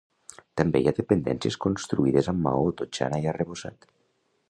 També hi ha dependències construïdes amb maó, totxana i arrebossat.